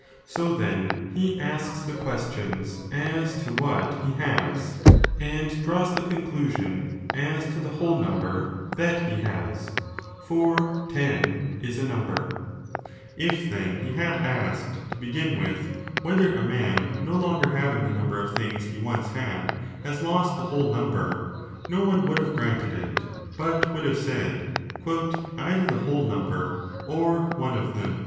So then, he asks the questions as to what he has, and draws the conclusion as to the whole number that he has : for ten is a number. If then he had i?8 a DE SOPHISTICIS ELENCHIS asked to begin with, whether a man no longer having the 35 number of things he once had has lost the whole number, no one would have granted it, but would have said Either the whole number or one of them